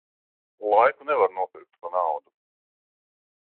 Laiku nevar nopirkt pa naudu.